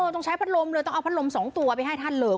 ต้องใช้พัดลมเลยต้องเอาพัดลม๒ตัวไปให้ท่านเลย